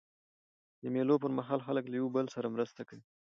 د مېلو پر مهال خلک له یوه بل سره مرسته کوي.